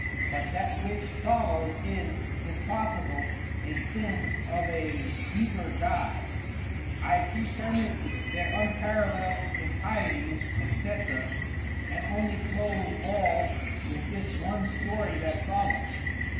But that which follows is (if possible) a sin of a deeper dye. I pretermit their unparallel'd Impieties, &c. and only close all with this one Story that follows.